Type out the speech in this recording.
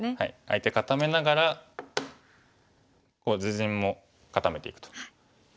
相手固めながら自陣も固めていくと。